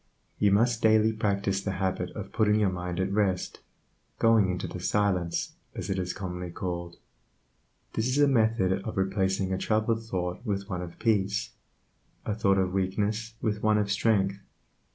You must daily practice the habit of putting your mind at rest, "going into the silence," as it is commonly called. This is a method of replacing a troubled thought with one of peace, a thought of weakness with one of strength.